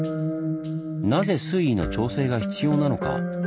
なぜ水位の調整が必要なのか？